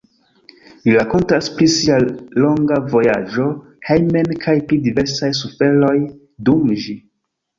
Li rakontas pri sia longa vojaĝo hejmen kaj pri diversaj suferoj dum ĝi.